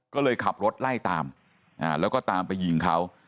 ก็เลยขับรถไล่ตามแล้วก็ตามไปยิงเขา